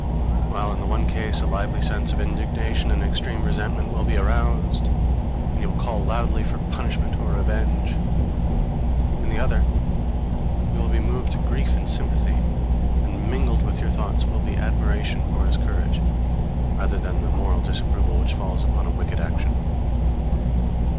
While in the one case a lively sense of indignation and extreme resentment will be aroused, and you will call loudly for punishment or revenge, in the other you will be moved to grief and sympathy; and mingled with your thoughts will be admiration for his courage, rather than the moral disapproval which follows upon a wicked action.